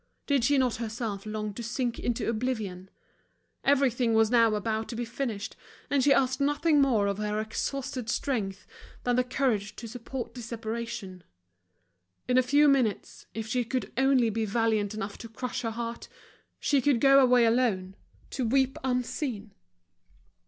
Did she not herself long to sink into oblivion? Everything was now about to be finished, and she asked nothing more of her exhausted strength than the courage to support this separation. In a few minutes, if she could only be valiant enough to crush her heart, she could go away alone, to weep unseen.